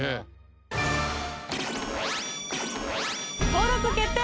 登録決定！